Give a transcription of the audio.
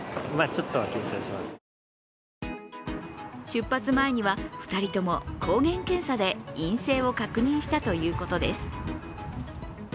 出発前には２人とも抗原検査で陰性を確認したということです。